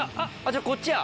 じゃあこっちや。